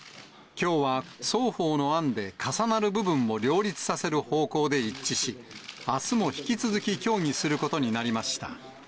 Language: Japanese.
きょうは双方の案で重なる部分を両立させる方向で一致し、あすも引き続き協議することになりました。